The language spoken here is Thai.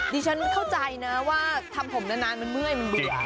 ฉันเข้าใจนะว่าทำผมนานมันเมื่อยมันเบื่อ